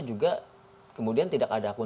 juga kemudian tidak ada akun